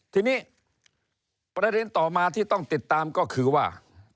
ทีนี้ประเด็นต่อมาที่ต้องติดตามก็คือว่า